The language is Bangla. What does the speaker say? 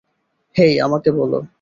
হেই আমাকে বলো।